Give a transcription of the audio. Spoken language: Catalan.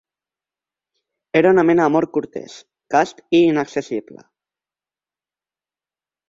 Era una mena d'amor cortès, cast i inaccessible.